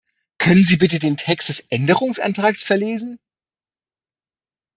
Können Sie bitte den Text des Änderungsantrags verlesen?